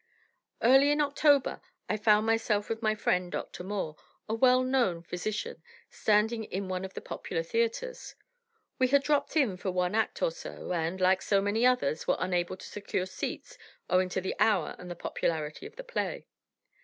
Early in October I found myself with my friend, Dr. Moore, a well known physician, standing in one of the popular theatres. We had dropped in for one act or so, and, like many others, were unable to secure seats owing to the hour and the popularity of the play.